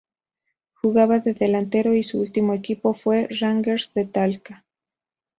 Jugaba de delantero y su último equipo fue Rangers de Talca.